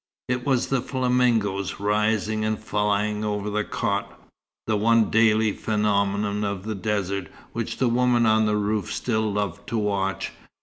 It was the flamingoes rising and flying over the chott, the one daily phenomenon of the desert which the woman on the roof still loved to watch.